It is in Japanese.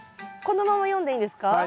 このまま読んでいいんですか？